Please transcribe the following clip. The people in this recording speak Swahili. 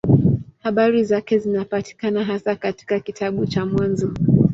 Habari zake zinapatikana hasa katika kitabu cha Mwanzo.